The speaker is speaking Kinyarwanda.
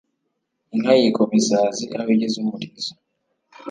inka yikoma isazi aho igeza umurizo